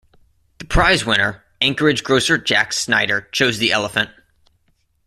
The prize-winner, Anchorage grocer Jack Snyder, chose the elephant.